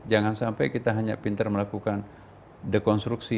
jangan sampai kita hanya pintar melakukan dekonstruksi